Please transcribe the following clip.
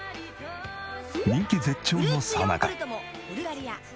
人気絶頂のさなか。